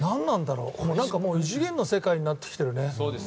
異次元の世界になってきてるね。